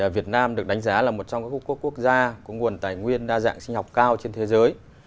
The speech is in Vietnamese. việt nam được đánh giá là một trong các quốc gia có nguồn tài nguyên đa dạng sinh học cao trên thế giới